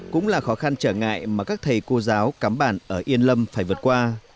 cũng là khó khăn trở ngại mà các thầy cô giáo cắm bản ở yên lâm phải vượt qua